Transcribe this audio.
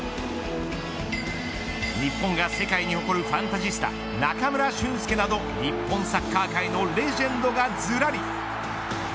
日本が世界に誇るファンタジスタ中村俊輔など、日本サッカー界のレジェンドがずらり。